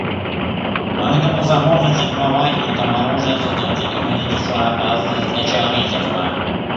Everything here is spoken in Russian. Поэтому само существование этого оружия создает серьезнейшую опасность для человечества.